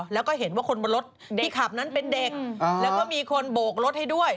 แล้วก็เห็นว่าคนบนรถที่ขับนั้นเป็นเด็กแล้วก็มีคนโบกรถให้ด้วย